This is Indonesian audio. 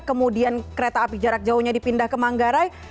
kemudian kereta api jarak jauhnya dipindah ke manggarai